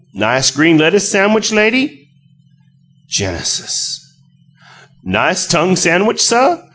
Nice green lettuce samwich, lady?" Genesis! "Nice tongue samwich, suh?